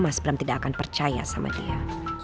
mas bram tidak akan percaya sama dia